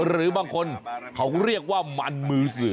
หรือบางคนเขาเรียกว่ามันมือเสือ